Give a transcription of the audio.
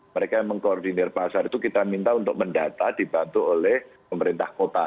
mereka yang mengkoordinir pasar itu kita minta untuk mendata dibantu oleh pemerintah kota